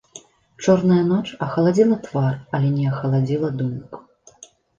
Чорная ноч ахаладзіла твар, але не ахаладзіла думак.